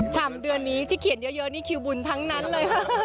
สามเดือนนี้ที่เขียนเยอะนี่คิวบุญทั้งนั้นเลยค่ะ